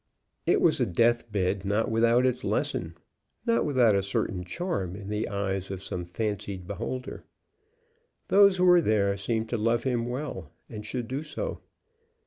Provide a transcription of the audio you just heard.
It was a death bed not without its lesson, not without a certain charm in the eyes of some fancied beholder. Those who were there seemed to love him well, and should do so.